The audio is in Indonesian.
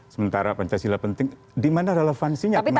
sementara pancasila penting di mana relevansinya kemana